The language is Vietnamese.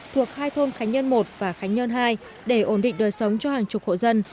thuộc hai thôn khánh nhân một và khánh nhơn hai để ổn định đời sống cho hàng chục hộ dân